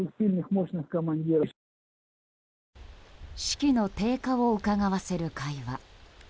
士気の低下をうかがわせる会話。